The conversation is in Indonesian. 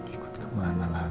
ikut kemana lagi